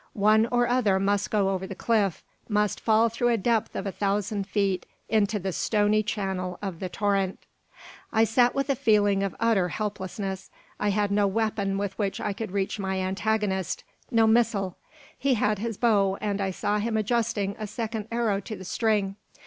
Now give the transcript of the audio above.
One or other must go over the cliff must fall through a depth of a thousand feet into the stony channel of the torrent! I sat with a feeling of utter helplessness. I had no weapon with which I could reach my antagonist; no missile. He had his bow, and I saw him adjusting a second arrow to the string.